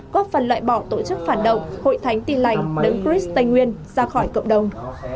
góp phần loại bỏ tổ chức phản động hội thánh tin lành đấng christ tây nguyên ra khỏi cộng đồng